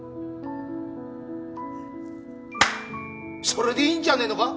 それでいいんじゃねえのか？